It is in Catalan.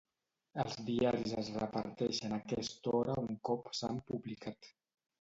Els diaris es reparteixen a aquesta hora un cop s'han publicat.